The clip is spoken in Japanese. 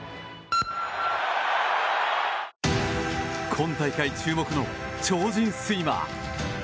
今大会注目の超人スイマー。